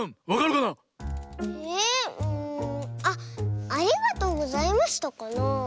あっ「ありがとうございました」かなあ。